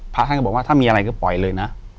อยู่ที่แม่ศรีวิรัยยิวยวลครับ